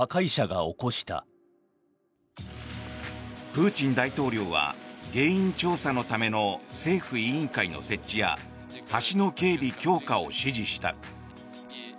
プーチン大統領は原因調査のための政府委員会の設置や橋の警備強化を指示した。